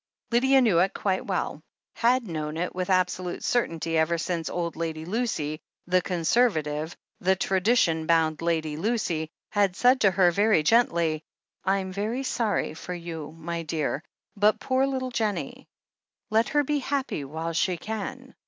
Lydia knew it quite well — ^had known it with abso lute certainty ever since old Lady Lucy — ^the conserva tive, the tradition botmd Lady Lucy — ^had said to her very gently : "Fm very sorry for you, my dear, but poor little Jennie! Let her be happy while she can.